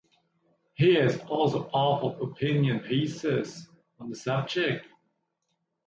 He has also authored opinion pieces on the subject.